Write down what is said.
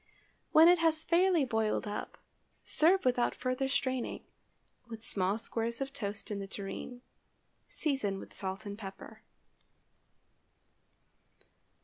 When it has fairly boiled up, serve without further straining, with small squares of toast in the tureen. Season with salt and pepper.